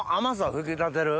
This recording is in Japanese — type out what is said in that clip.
引き立てる。